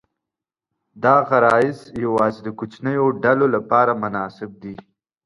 دا غرایز یواځې د کوچنیو ډلو لپاره مناسب دي.